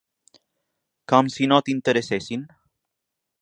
Com si no t’interessessin.